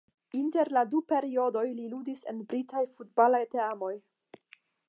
Inter la du periodoj li ludis en britaj futbalaj teamoj.